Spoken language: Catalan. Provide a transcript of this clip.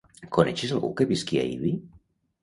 Coneixes algú que visqui a Ibi?